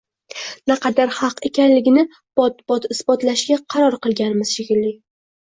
naqadar haq ekanligini bot-bot isbotlashga qaror qilganmiz shekilli